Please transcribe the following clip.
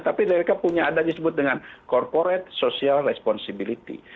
tapi mereka punya ada disebut dengan corporate social responsibility